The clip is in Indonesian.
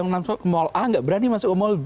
ke mall a nggak berani masuk ke mall b